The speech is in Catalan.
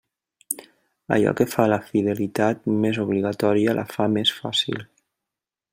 Allò que fa la fidelitat més obligatòria la fa més fàcil.